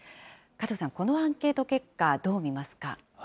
加藤さん、このアンケート結果、どう見ますか。